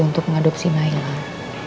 untuk mengadopsi nailah